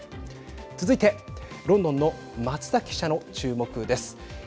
続いてロンドンの松崎記者の注目です。